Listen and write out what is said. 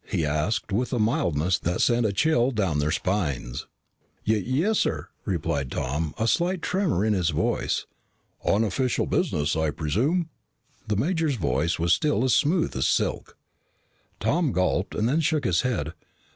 he asked with a mildness that sent a chill down their spines. "Y yes sir," replied Tom, a slight tremor in his voice. "On official business, I presume?" The major's voice was still as smooth as silk. Tom gulped and then shook his head.